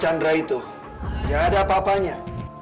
chandra itu gak ada apa apanya